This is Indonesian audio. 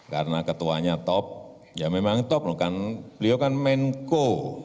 karena ketuanya top ya memang top loh karena beliau kan menko